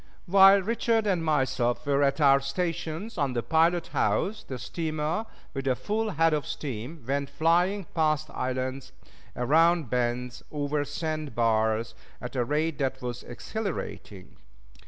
While Richard and myself were at our stations on the pilot house, the steamer, with a full head of steam, went flying past islands, around bends, over sand bars, at a rate that was exhilarating.